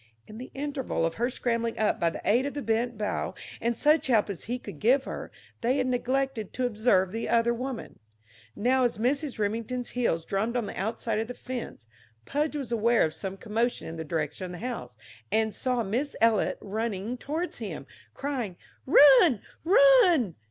In the interval of her scrambling up by the aid of the bent bough and such help as he could give her, they had neglected to observe the other woman. Now, as Mrs. Remington's heels drummed on the outside of the fence, Pudge was aware of some commotion in the direction of the house, and saw Miss Eliot running toward him, crying: "Run, run!"